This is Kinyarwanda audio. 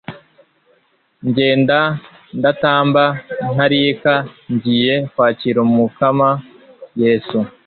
ngenda ndatamba ntarika ngiye kwakir'umukama yezu